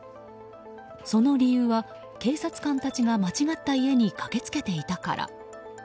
その理由は、警察官たちが間違った家に駆けつけていたから。